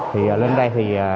thì lên đây thì